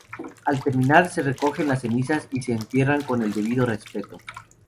Al terminar, se recogen las cenizas y se entierran con el debido respeto.